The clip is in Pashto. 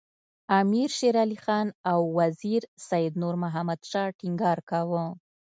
امیر شېر علي خان او وزیر سید نور محمد شاه ټینګار کاوه.